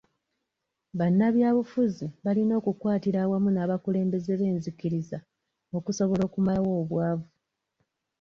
Bannabyabufuzi balina okukwatira awamu n'abakulembeze b'enzikiriza okusobola okumalawo obwavu.